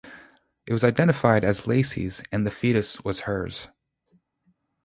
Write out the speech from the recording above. It was identified as Laci's, and the fetus was hers.